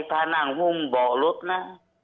ถ้านั่งหุ้มเบาะรถนะ